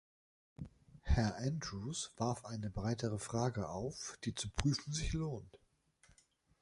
Herr Andrews warf eine breitere Frage auf, die zu prüfen sich lohnt.